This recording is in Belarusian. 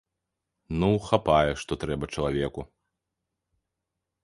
Ну, хапае, што трэба чалавеку.